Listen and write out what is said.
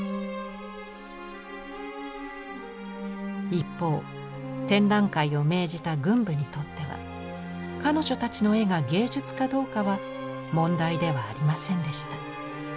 一方展覧会を命じた軍部にとっては彼女たちの絵が芸術かどうかは問題ではありませんでした。